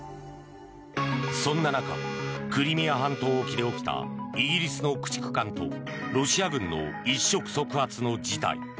そんな中クリミア半島沖で起きたイギリスの駆逐艦とロシア軍の一触即発の事態。